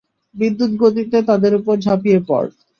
বিদ্যুৎ গতিতে তাদের উপর ঝাঁপিয়ে পড়।